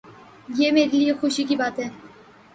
یہ میرے لیے خوشی کی بات ہے۔